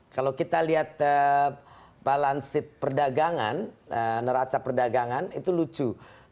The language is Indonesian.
kalau kita lihat balance perdagangan neraca perdagangan itu lucu